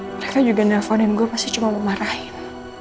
mereka juga nelfonin gue pasti cuma mau marahin